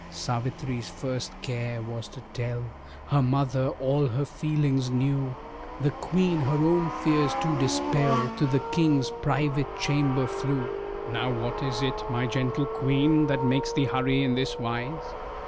Savitri's first care was to tell Her mother all her feelings new; The queen her own fears to dispel To the king's private chamber flew. "Now what is it, my gentle queen, That makes thee hurry in this wise?"